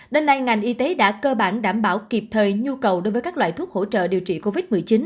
đến nay ngành y tế đã cơ bản đảm bảo kịp thời nhu cầu đối với các loại thuốc hỗ trợ điều trị covid một mươi chín